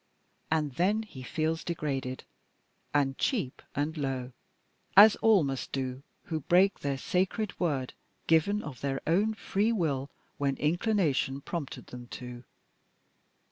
And then he feels degraded and cheap and low, as all must do who break their sacred word given of their own free will when inclination prompted them to.